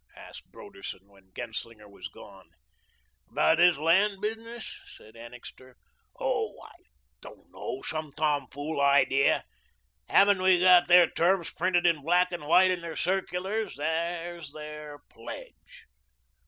asked Broderson, when Genslinger was gone. "About this land business?" said Annixter. "Oh, I don't know. Some tom fool idea. Haven't we got their terms printed in black and white in their circulars? There's their pledge."